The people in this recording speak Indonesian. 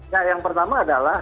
nah yang pertama adalah